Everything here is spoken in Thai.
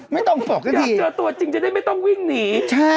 อยากเจอตัวจริงจะได้ไม่ต้องวิ่งหนี